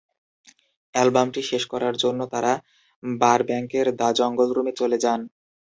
অ্যালবামটি শেষ করার জন্য তারা বারব্যাঙ্কের দ্য জঙ্গল রুমে চলে যান।